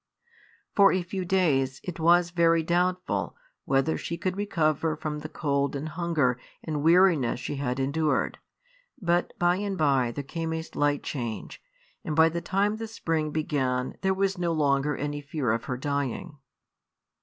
For a few days it was very doubtful whether she could recover from the cold and hunger and weariness she had endured; but by and by there came a slight change, and by the time the spring began there was no longer any fear of her dying.